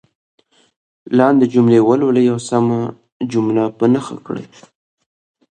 لاندې جملې ولولئ او سمه جمله په نښه کړئ.